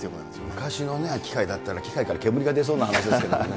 昔の機械だったら、機械から煙が出そうな話ですけどね。